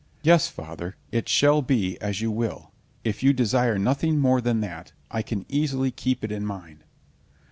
"Yes, father, it small be as you will. If you desire nothing more than that, I can easily keep it in mind."